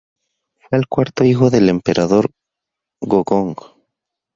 Fue el cuarto hijo del Emperador Gojong.